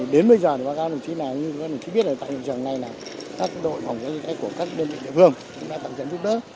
đến bây giờ thì các đồng chí biết là tại trường này là các đội phòng cháy của các đơn vị địa phương đã tập trận giúp đỡ